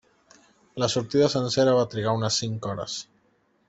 La sortida sencera va trigar unes cinc hores.